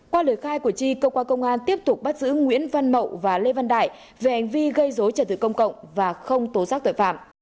qua lời khai của chi cơ quan công an tiếp tục bắt giữ nguyễn văn mậu và lê văn đại về hành vi gây dối trật tự công cộng và không tố giác tội phạm